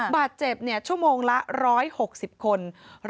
บาดเจ็บชั่วโมงละ๑๖๐คน